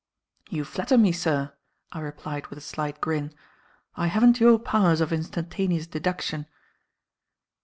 "You flatter me, sir," I replied with a slight grin. "I haven't your powers of instantaneous deduction."